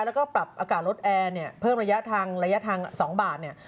แล้วก็ปรับอากาศรถแอร์เนี่ยเพิ่มระยะทางระยะทาง๒บาทเนี่ย